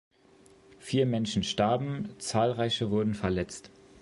Vier Menschen starben, zahlreiche wurden verletzt.